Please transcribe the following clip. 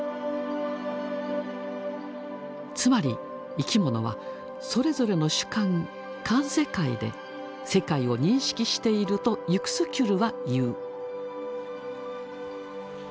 つまり生き物はそれぞれの主観「環世界」で世界を認識しているとユクスキュルは言う。